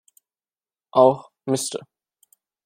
Auch "Mr.